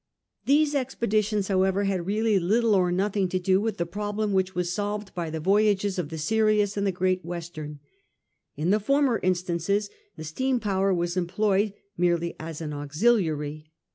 These expeditions, however, had really little or nothing to do with the problem which was solved by the voyages of the Sirius and the Great Western. In the former instances the steam power was employed merely as an auxiliary.